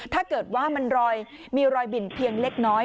ถ้าเกิดว่ามันมีรอยบิ่นเพียงเล็กน้อย